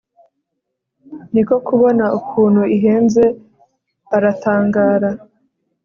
niko kubona ukuntu ihenze aratangara